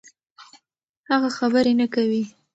هغه خبرې نه کوي.